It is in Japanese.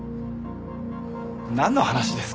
なんの話ですか？